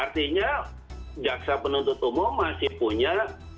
artinya jaksa penuntut umum masih punya